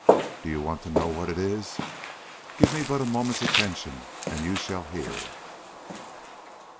Do you want to know what it is? Give me but a moment's attention and you shall hear."